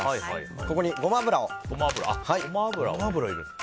ここに、ゴマ油を。